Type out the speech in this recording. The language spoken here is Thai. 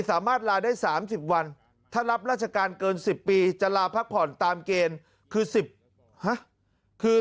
สามารถลาได้๓๐วันถ้ารับราชการเกิน๑๐ปีจะลาพักผ่อนตามเกณฑ์คือ๑๐คือ